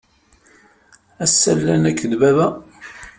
Ass-a, llan akked baba?